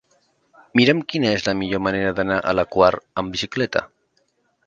Mira'm quina és la millor manera d'anar a la Quar amb bicicleta.